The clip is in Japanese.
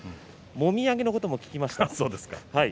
もみあげのことも聞きました。